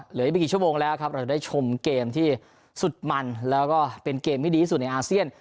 เหลืออีกไม่กี่ชั่วโมงแล้วครับเราจะได้ชมเกมที่สุดมันแล้วก็เป็นเกมที่ดีที่สุดในอาเซียน